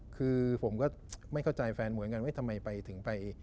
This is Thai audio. คือผมก็ไม่เข้าใจแฟนมวยกันทำไมไปถึงไป